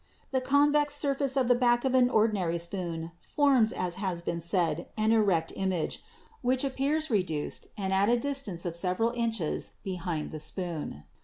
The convex surface of the back of an ordinary spoon forms, as has been said, an erect image, which appears reduced and at a distance of several inches behind the spoon.